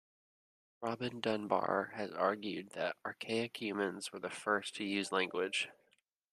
Robin Dunbar has argued that archaic humans were the first to use language.